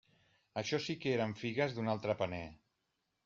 Això sí que eren figues d'un altre paner!